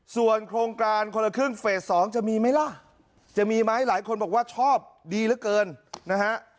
ส่วนโครงการคนละครึ่งเฟส๒จะมีไหมล่ะจะมีไหมหลายคนบอกว่าชอบดีเหลือเกินนะฮะ